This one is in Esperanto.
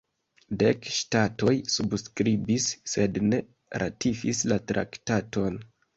Dek ŝtatoj subskribis, sed ne ratifis la traktaton.